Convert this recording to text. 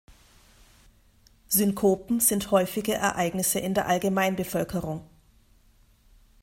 Synkopen sind häufige Ereignisse in der Allgemeinbevölkerung.